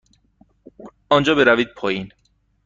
آنجا بروید پایین.